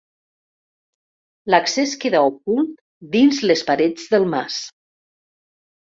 L'accés queda ocult dins les parets del mas.